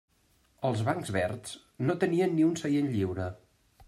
Els bancs verds no tenien ni un seient lliure.